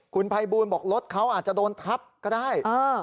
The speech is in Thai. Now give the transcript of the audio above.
คุณภัยบูลบอกรถเขาอาจจะโดนทับก็ได้